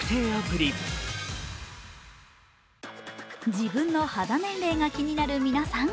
自分の肌年齢が気になる皆さん